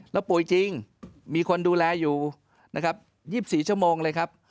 แล้วป่วยจริงมีคนดูแลอยู่นะครับ๒๔ชั่วโมงเลยครับ